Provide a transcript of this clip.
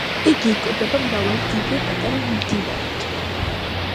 იგი იკვებება მრავალი დიდი და პატარა მდინარით.